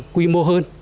quy mô hơn